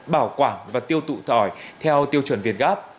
bảo quản và tiêu tụ tỏi theo tiêu chuẩn việt gáp